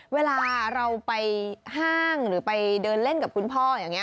เวลาเราไปห้างหรือไปเดินเล่นกับคุณพ่ออย่างนี้